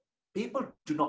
jadi di lain kata